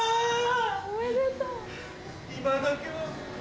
おめでとう。